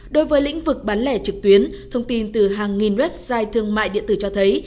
đối với lĩnh vực bán lẻ trực tuyến thông tin từ hàng nghìn website thương mại điện tử cho thấy